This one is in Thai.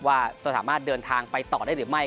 ว่าสถาบัติเดินทางไปต่อได้หรือไม่